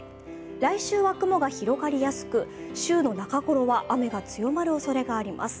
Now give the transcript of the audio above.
来週は雲が広がりやすく、週の中ごろは雨が強まるおそれがあります。